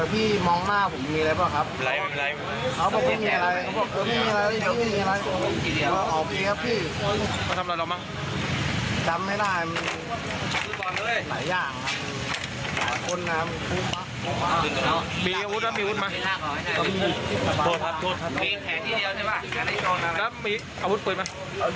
มีหลายอย่างครับมีอาวุธมามีอาวุธปืนมา